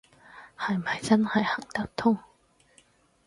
係咪真係行得通